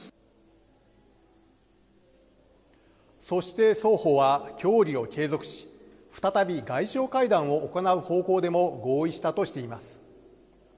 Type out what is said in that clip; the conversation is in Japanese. そして、双方は協議を継続し、再び外相会談を行う方向でも合意したとしています。